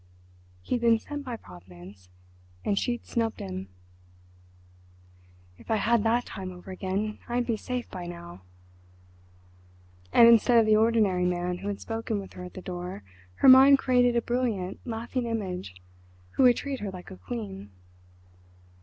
—he'd been sent by Providence—and she'd snubbed him. "If I had that time over again, I'd be safe by now." And instead of the ordinary man who had spoken with her at the door her mind created a brilliant, laughing image, who would treat her like a queen....